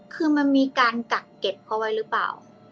คือมันมีการกักเก็บเขาไว้หรือเปล่า